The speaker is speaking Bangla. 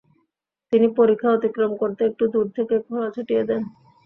তিনি পরিখা অতিক্রম করতে একটু দূর থেকে ঘোড়া ছুটিয়ে দেন।